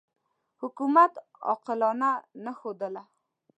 حکومت علاقه نه ښودله.